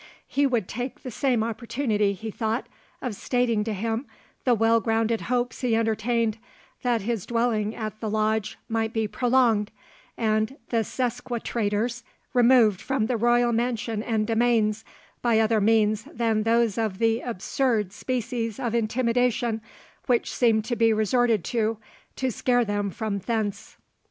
He would take the same opportunity, he thought, of stating to him the well grounded hopes he entertained, that his dwelling at the Lodge might be prolonged, and the sequestrators removed from the royal mansion and domains, by other means than those of the absurd species of intimidation which seemed to be resorted to, to scare them from thence.